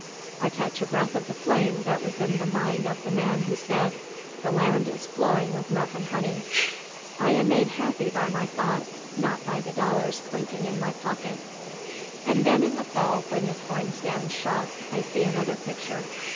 I catch a breath of the flame that was in the mind of the man who said, 'The land is flowing with milk and honey.' I am made happy by my thoughts not by the dollars clinking in my pocket. "And then in the fall when the corn stands shocked I see another picture.